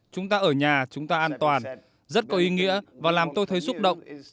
chúng ta ở nhà chúng ta an toàn rất có ý nghĩa và làm tôi thấy xúc động